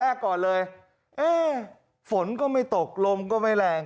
แรกก่อนเลยเอ๊ะฝนก็ไม่ตกลมก็ไม่แรง